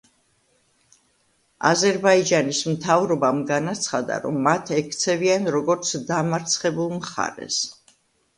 აზერბაიჯანის მთავრობამ განაცხადა, რომ მათ ექცევიან, როგორც „დამარცხებულ მხარეს“.